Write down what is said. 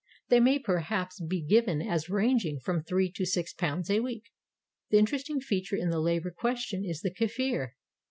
They may perhaps be given as ranging from three to six pounds a week. The interesting feature in the labor question is the Kafir.